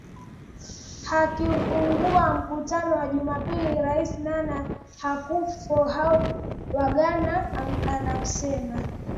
Akiufungua mkutano wa Jumapili Rais Nana Akufo Addo, wa Ghana amesema